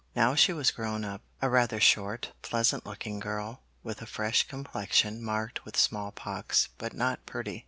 Now she was grown up; a rather short, pleasant looking girl with a fresh complexion marked with small pox, but not pretty.